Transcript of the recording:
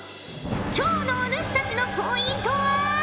今日のお主たちのポイントは。